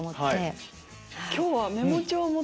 今日は。